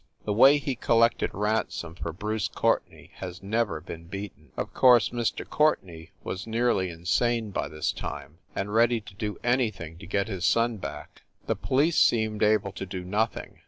The way he collected ransom for Bruce Courtenay has never been beaten. Of course Mr. Courtenay was nearly insane by this time, and ready to do anything to get his son back. The police seemed able to do noth ing.